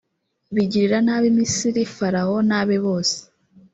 bigirira nabi misiri, farawo n’abe bose;